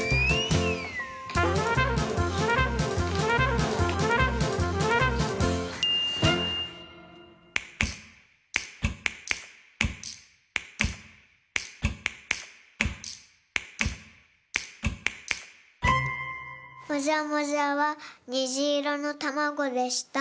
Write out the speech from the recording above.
もじゃもじゃはにじいろのたまごでした。